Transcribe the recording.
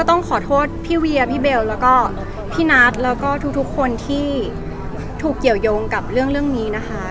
ต้องขอโทษพี่เวียพี่เบลแล้วก็พี่นัทแล้วก็ทุกคนที่ถูกเกี่ยวยงกับเรื่องนี้นะคะ